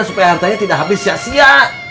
supaya hartanya tidak habis sia sia